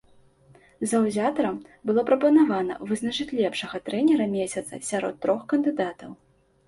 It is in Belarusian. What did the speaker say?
Заўзятарам было прапанавана вызначыць лепшага трэнера месяца сярод трох кандыдатаў.